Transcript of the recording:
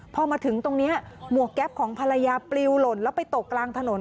พอมาถึงตรงนี้หมวกแก๊ปของภรรยาปลิวหล่นแล้วไปตกกลางถนน